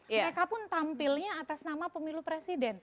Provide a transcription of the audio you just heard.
mereka pun tampilnya atas nama pemilu presiden